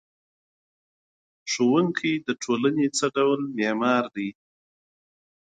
ښوونکی د ټولنې څه ډول معمار دی؟